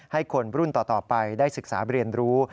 ให้คนรุ่นต่อไปได้ศึกษาเรียนรู้